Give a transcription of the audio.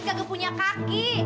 terima kasih kak